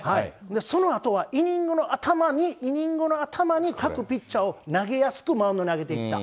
そのあとはイニングの頭に、イニングの頭に各ピッチャーを投げやすくマウンドに上げていった。